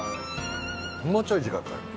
もうちょい時間がかかる。